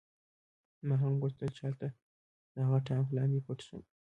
ما هم غوښتل چې هلته د هغه ټانک لاندې پټ شم